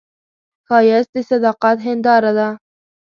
ښایست د صداقت هنداره ده